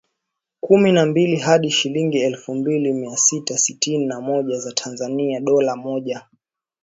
kumi na mbili hadi shilingi elfu mbili mia sita sitini na moja za Tanzania dola moja